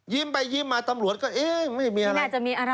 ไปยิ้มมาตำรวจก็เอ๊ะไม่มีอะไรน่าจะมีอะไร